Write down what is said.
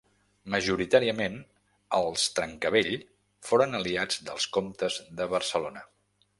Majoritàriament, els Trencavell foren aliats dels comtes de Barcelona.